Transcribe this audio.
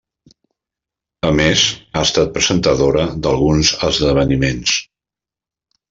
A més, ha estat presentadora d'alguns esdeveniments.